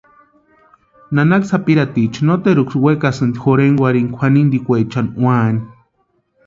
Nanaka sapirhaticha noteruksï wekasinti jorhekwarhini kwʼanintikwechani úani.